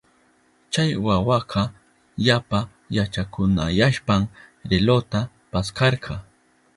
Chay wawaka yapa yachakunayashpan relojta paskarka.